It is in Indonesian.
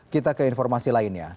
kita ke informasi lainnya